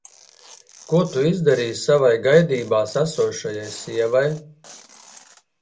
Ko tu izdarīji savai gaidībās esošajai sievai?